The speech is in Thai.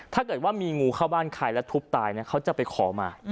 ถ้าเกิดว่ามีงูเข้าบ้านใครแล้วทุบตายเขาจะไปขอมา